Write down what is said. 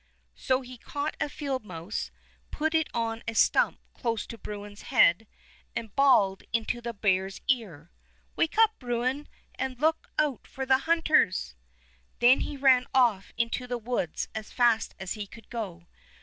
So he caught a field mouse, put it on a stump close to Bruin's head, and bawled into the bear's ear, "Wake up. Bruin, and look out for the hunters!" Then he ran off into the woods as fast as he could go.